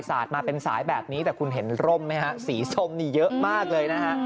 สาดมาเป็นสายแบบนี้แต่คุณเห็นร่มไหมฮะสีส้มนี่เยอะมากเลยนะฮะ